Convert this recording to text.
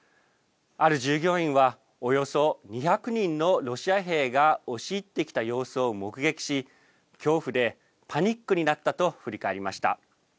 ある従業員は、およそ２００人のロシア兵が押し入ってきた様子を目撃し、恐怖でパニックになったと振り返りました。